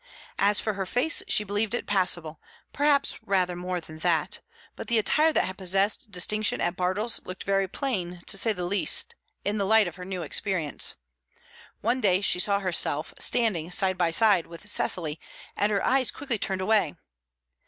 As for her face she believed it passable, perhaps rather more than that; but the attire that had possessed distinction at Bartles looked very plain, to say the least, in the light of her new experience. One day she saw herself standing side by side with Cecily, and her eyes quickly turned away.